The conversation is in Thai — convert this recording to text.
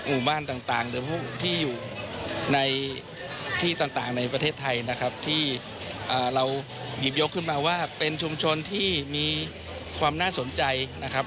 หมู่บ้านต่างหรือพวกที่อยู่ในที่ต่างในประเทศไทยนะครับที่เราหยิบยกขึ้นมาว่าเป็นชุมชนที่มีความน่าสนใจนะครับ